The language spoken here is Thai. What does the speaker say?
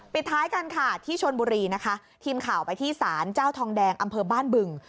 ท้ายกันค่ะที่ชนบุรีนะคะทีมข่าวไปที่ศาลเจ้าทองแดงอำเภอบ้านบึง